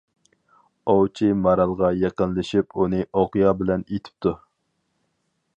ئوۋچى مارالغا يېقىنلىشىپ، ئۇنى ئوقيا بىلەن ئېتىپتۇ.